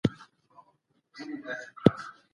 څنګه د کورني تاوتریخوالي مخه نیول کیږي؟